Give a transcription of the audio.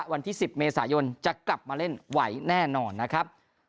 วันที่๑๐เมษายนจะกลับมาเล่นไหวแน่นอนนะครับ